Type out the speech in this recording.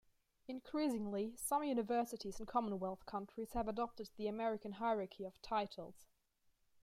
Increasingly, some universities in Commonwealth countries have adopted the American hierarchy of titles.